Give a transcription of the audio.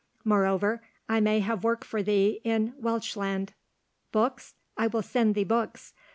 Moreover, I may have work for thee in Welschland. Books? I will send thee books.